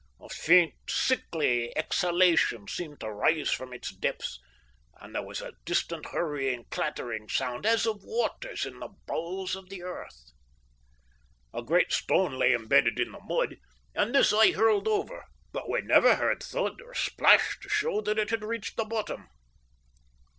A faint, sickly exhalation seemed to rise from its depths, and there was a distant hurrying, clattering sound as of waters in the bowels of the earth. A great stone lay embedded in the mud, and this I hurled over, but we never heard thud or splash to show that it had reached the bottom.